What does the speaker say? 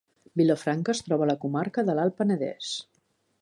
Vilafranca es troba a la comarca de l'Alt Penedès.